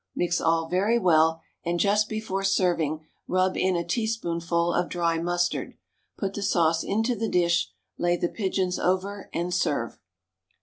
Mix all very well, and just before serving rub in a teaspoonful of dry mustard. Put the sauce into the dish, lay the pigeons over, and serve.